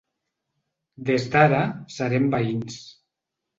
Des d’ara serem veïns.